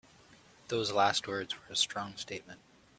Those last words were a strong statement.